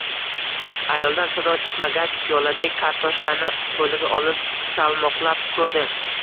Ayoldan sado chiqmagach, piyoladek kartoshkani qo‘liga olib salmoqlab ko‘rdi